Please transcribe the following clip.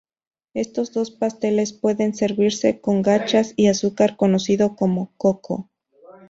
Estos dos pasteles pueden servirse con gachas y azúcar, conocido como "koko".